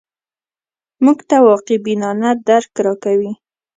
موږ ته واقع بینانه درک راکوي